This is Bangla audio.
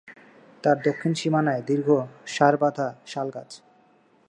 তার দক্ষিণ সীমানায় দীর্ঘ সার-বাঁধা শালগাছ।